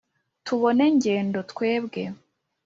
tubona ngendo twebwe! […]